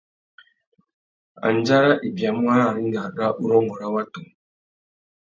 Andjara i biamú ararringa râ urrôngô râ watu.